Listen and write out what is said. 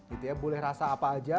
gitu ya boleh rasa apa aja